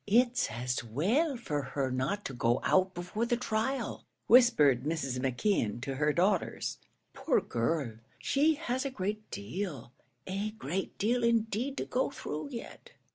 "It's as well for her not to go out before the trial," whispered Mrs. McKeon to her daughters. "Poor girl; she has a great deal, a great deal, indeed, to go through yet."